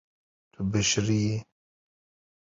Tu bişiriyî.